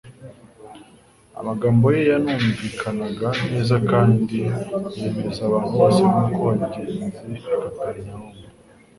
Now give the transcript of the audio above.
Amagambo ye yanunvikanaga neza kandi yemeza abantu bose nk'uko byagenze i Kaperinaumu,